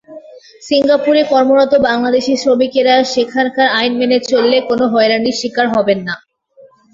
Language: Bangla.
সিঙ্গাপুরে কর্মরত বাংলাদেশি শ্রমিকেরা সেখানকার আইন মেনে চললে কোনো হয়রানির শিকার হবেন না।